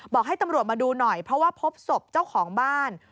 ให้ตำรวจมาดูหน่อยเพราะว่าพบศพเจ้าของบ้าน